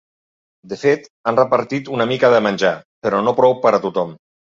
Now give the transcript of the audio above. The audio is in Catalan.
De fet, han repartit una mica de menjar, però no prou per a tothom.